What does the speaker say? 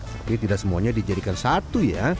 tapi tidak semuanya dijadikan satu ya